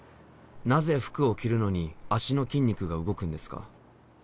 なぜ服を着るのに足の筋肉が動くんですか？